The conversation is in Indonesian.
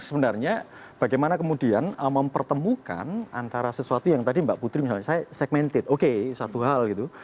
saya adalah penduduk indonesia terkait dengan tiga puluh empat provinsi dan lima ratus empat belas kabupaten dan kota